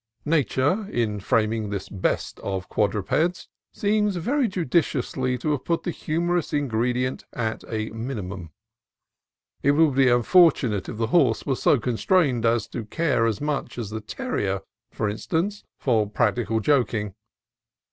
Nature, in framing this best of quadrupeds, seems very judiciously to have put the humorous ingredient at a minimum. It would be unfortunate if the horse were so constituted as to care as much as the terrier, for instance, for practical joking.